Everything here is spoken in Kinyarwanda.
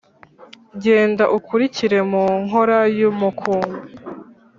. Genda ukurikire mu nkōra y’umukumbi,